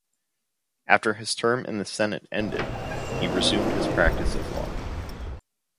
After his term in the Senate ended, he resumed his practice of law.